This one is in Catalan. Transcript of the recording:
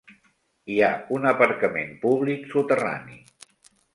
Hi ha un aparcament públic soterrani.